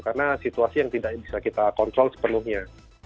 karena situasi yang tidak bisa kita kontrol sebelumnya